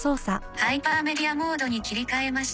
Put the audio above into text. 「ハイパーメディアモードに切り替えました」